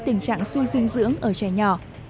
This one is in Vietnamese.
tình trạng suy dinh dưỡng ở trẻ nhỏ